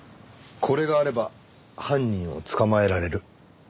これがあれば犯人を捕まえられる。